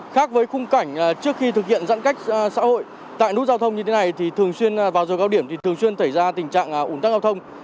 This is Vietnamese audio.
khác với khung cảnh trước khi thực hiện giãn cách xã hội tại nút giao thông như thế này thì thường xuyên vào giờ cao điểm thì thường xuyên xảy ra tình trạng ủn tắc giao thông